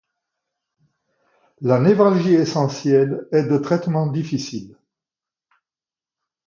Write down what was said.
La névralgie essentielle est de traitement difficile.